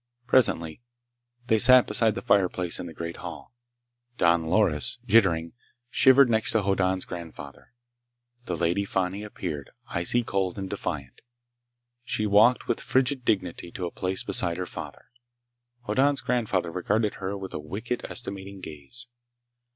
Presently they sat beside the fireplace in the great hall. Don Loris, jittering, shivered next to Hoddan's grandfather. The Lady Fani appeared, icy cold and defiant. She walked with frigid dignity to a place beside her father. Hoddan's grandfather regarded her with a wicked, estimating gaze.